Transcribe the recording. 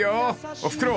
［おふくろ